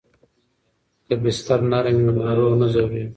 که بستر نرم وي نو ناروغ نه ځورېږي.